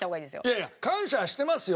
いやいや感謝はしてますよ。